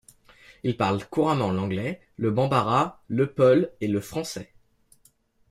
Il parle couramment l’anglais, le bambara, le peul et le français.